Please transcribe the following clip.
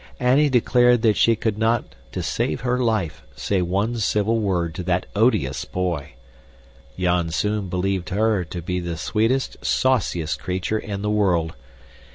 Annie declared that she could not "to save her life" say one civil word to that odious boy. Janzoon believed her to be the sweetest, sauciest creature in the world.